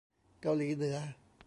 เกาหลีเหนือ